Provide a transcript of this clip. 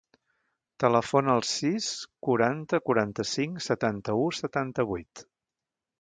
Telefona al sis, quaranta, quaranta-cinc, setanta-u, setanta-vuit.